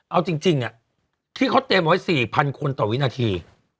เอาจริงที่เขาเตรียมไว้๔๐๐คนต่อวินาที